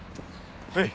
はい。